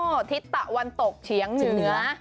ทิศตะวันตกเฉียงเหนือ